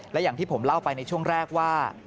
และอย่างที่ผมเล่าไปในช่วงแรกว่า